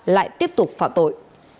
lại tiếp tục phạm tội